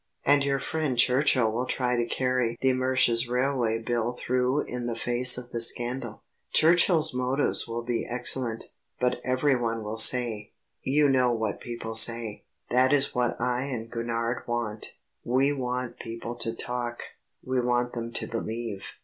And your friend Churchill will try to carry de Mersch's railway bill through in the face of the scandal. Churchill's motives will be excellent, but everyone will say ... You know what people say ... That is what I and Gurnard want. We want people to talk; we want them to believe...."